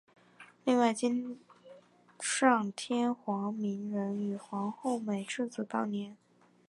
另外今上天皇明仁与皇后美智子当年。